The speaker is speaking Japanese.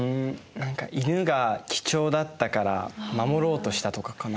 何か犬が貴重だったから守ろうとしたとかかな？